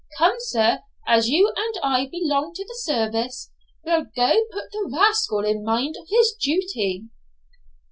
Come, sir, as you and I belong to the service, we'll go put the rascal in mind of his duty.'